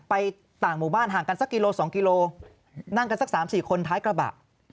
ไปต่างหมู่บ้านห่างกันสักกิโล๒กิโลนั่งกันสัก๓๔คนท้ายกระบะ